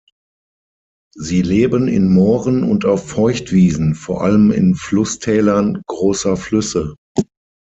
Sie leben in Mooren und auf Feuchtwiesen, vor allem in Flusstälern großer Flüsse.